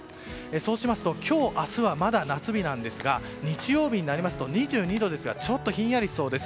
そうしますと今日、明日はまだ夏日なんですが日曜日になりますと２２度ですからちょっとひんやりしそうです。